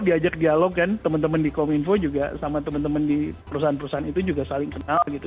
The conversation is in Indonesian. diajak dialog kan teman teman di kominfo juga sama teman teman di perusahaan perusahaan itu juga saling kenal gitu